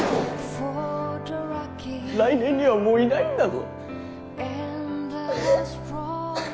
来年にはもういないんだぞ。